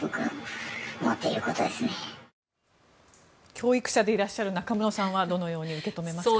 教育者でいらっしゃる中室さんはどのように受け止めますか？